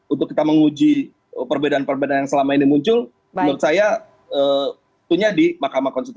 untuk kita menguji perbedaan perbedaan yang selama ini muncul menurut saya itunya di mahkamah konstitusi